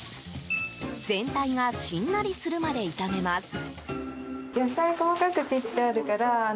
全体がしんなりするまで炒めます。